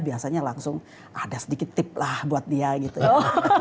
biasanya langsung ada sedikit tip lah buat dia gitu ya